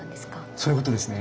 そういうことですね。